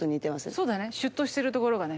そうだねシュっとしてるところがね。